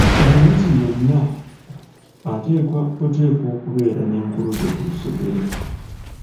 Omuyizi yenna ateekwa buteekwa okubeera n'enkuluze ku lusegere.